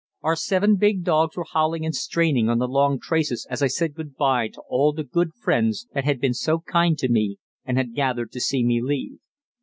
Our seven big dogs were howling and straining on the long traces as I said good bye to all the good friends that had been so kind to me and had gathered to see me leave.